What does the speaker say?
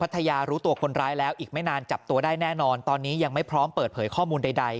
ทยารู้ตัวคนร้ายแล้วอีกไม่นานจับตัวได้แน่นอนตอนนี้ยังไม่พร้อมเปิดเผยข้อมูลใด